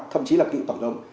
thậm chí là cựu tổng đồng